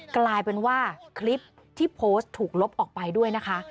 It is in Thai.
กลายเป็นว่าคลิปที่โพสต์ถูกลบออกไปด้วยนะคะ